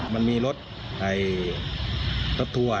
มันมีรถให้รถทัวร์นะครับรถทัวร์